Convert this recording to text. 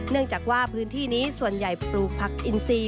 เนื่องจากว่าพื้นที่นี้ส่วนใหญ่ปลูกผักอินซี